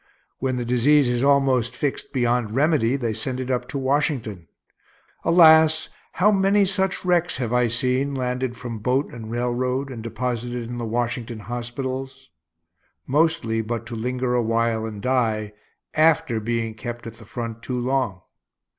When the disease is almost fixed beyond remedy, they send it up to Washington. Alas! how many such wrecks have I seen landed from boat and railroad and deposited in the Washington hospitals, mostly but to linger awhile and die, after being kept at the front too long.